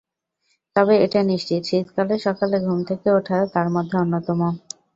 তবে এটা নিশ্চিত, শীতকালে সকালে ঘুম থেকে ওঠা তার মধ্যে অন্যতম।